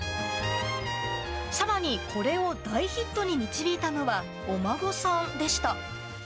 さらにこれを大ヒットに導いたのはお孫さんでした。